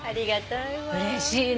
うれしいね。